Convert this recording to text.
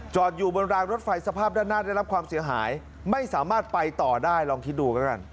อยู่บนรางรถไฟสภาพด้านหน้าได้รับความเสียหายไม่สามารถไปต่อได้ลองคิดดูแล้วกัน